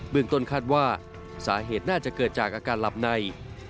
เมืองต้นคาดว่าสาเหตุน่าจะเกิดจากอาการหลับใน